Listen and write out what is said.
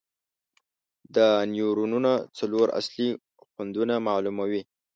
دا نیورونونه څلور اصلي خوندونه معلوموي.